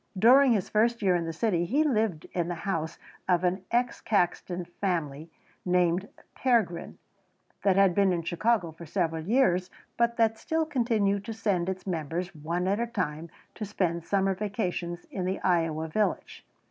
During his first year in the city he lived in the house of an ex Caxton family named Pergrin that had been in Chicago for several years, but that still continued to send its members, one at a time, to spend summer vacations in the Iowa village.